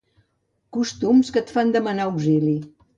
Costums que et fan demanar auxili.